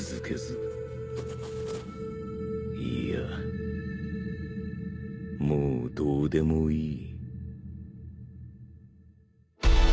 いやもうどうでもいい。